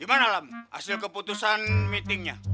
gimana lam hasil keputusan meeting nya